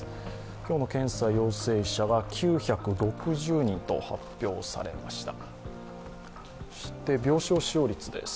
今日の検査陽性者が９６０人と発表されました。